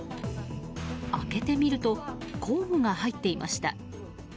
開けてみると工具が入っていました。